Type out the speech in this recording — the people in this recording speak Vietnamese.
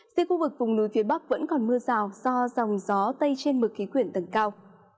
riêng khu vực vùng núi phía bắc vẫn còn mưa rào do dòng gió tây trên mực khí quyển tầng cao